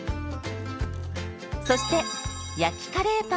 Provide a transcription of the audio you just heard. そして焼きカレーパンも。